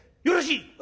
よろしい？